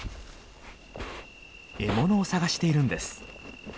獲物を探しているんです。